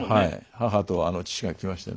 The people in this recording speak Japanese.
母と父が来ましてね